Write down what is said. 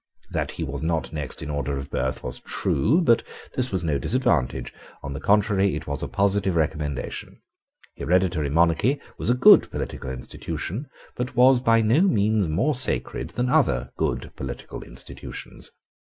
That he was not next in order of birth was true: but this was no disadvantage: on the contrary, it was a positive recommendation. Hereditary monarchy was a good political institution, but was by no means more sacred than other good political institutions.